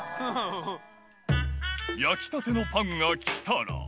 焼きたてのパンが来たら。